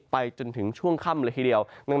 ไปจนถึงช่วงค่ำละครีวเวลาเช่นเดียว